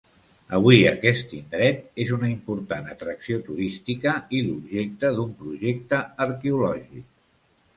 Avui, aquest indret és una important atracció turística i l'objecte d'un projecte arqueològic.